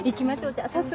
じゃあ早速。